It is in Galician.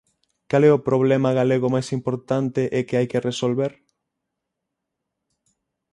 Cal é o problema galego máis importante e que hai que resolver?